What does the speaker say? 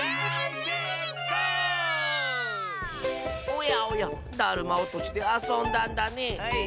おやおやだるまおとしであそんだんだね。